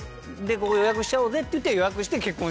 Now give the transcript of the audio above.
で「予約しちゃおうぜ」って言って予約して結婚。